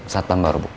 satpam baru bu